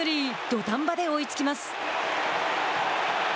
土壇場で追いつきます。